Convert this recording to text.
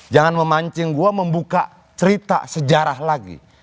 jangan memancing gua membuka cerita sejarah lagi